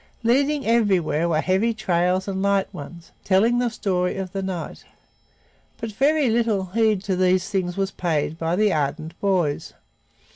Leading everywhere were heavy trails and light ones, telling the story of the night. But very little heed to these things was paid by the ardent boys.